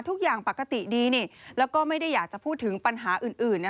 ทุกอย่างปกติดีแล้วก็ไม่ได้อยากจะพูดถึงปัญหาอื่น